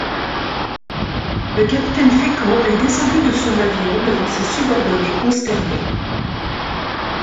Le capitaine Féquant est descendu de son avion devant ses subordonnés consternés.